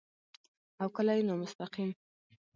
او کله يې نامستقيم